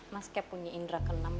mas kayak punya indra kenam